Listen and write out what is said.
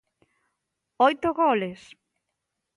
Oito goles.